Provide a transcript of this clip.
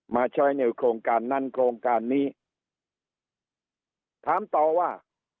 มาใช้ในโครงการนั้นโครงการนี้ถามต่อว่า